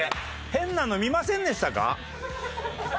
変なの見ませんでしたか？